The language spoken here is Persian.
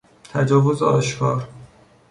تجاوز آشکار